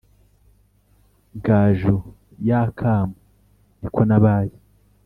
gaju y’akamu ni ko nabaye